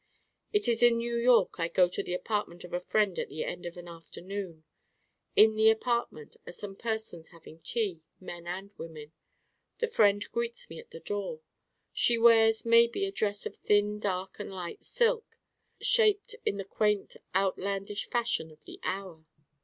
It is in New York I go to the apartment of a Friend at the end of an afternoon. In the apartment are some persons having tea, men and women. The Friend greets me at the door. She wears maybe a dress of thin dark and light silk, shaped in the quaint outlandish fashion of the hour.